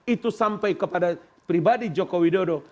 itu sampai kepada pribadi jokowi dodo